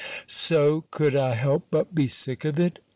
"So could I help but be sick of it?